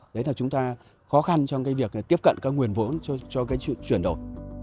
đấy là chúng ta khó khăn trong cái việc tiếp cận các nguyền vốn cho cái chuyển đổi